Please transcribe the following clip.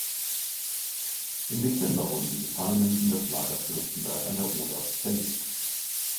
Im Dezember wurden die Gefangenen in das Lager Fürstenberg an der Oder verlegt.